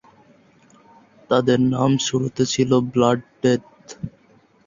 তাদের নাম শুরুতে ছিল ব্ল্যাক ডেথ।